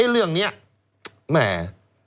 เรื่องนี้แหม